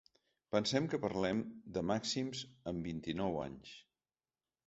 Pensem que parlem de màxims en vint-i-nou anys.